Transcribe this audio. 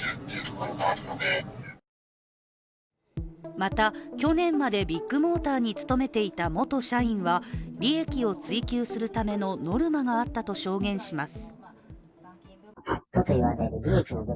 また、去年までビッグモーターに勤めていた元社員は利益を追求するためのノルマがあったと証言します。